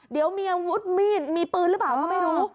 เดี๋ยวมีอาวุธมีดมีปืนหรือเปล่าก็ไม่รู้